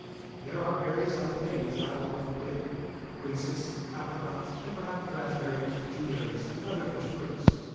There are various other things that I want to put in, quinces, apricots, and perhaps raspberries, dewberries, and other bush fruits.